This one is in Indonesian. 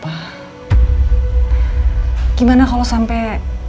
bagaimana kalau sampai